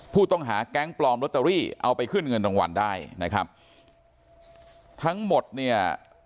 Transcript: ผู้ต้องหาแก๊งปลอมลอตเตอรี่เอาไปขึ้นเงินรางวัลได้นะครับทั้งหมดเนี่ย